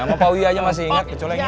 ama pak huy aja masih inget kecuali yang ini